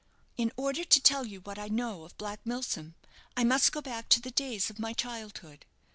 "In order to tell you what I know of Black Milsom, I must go back to the days of my childhood.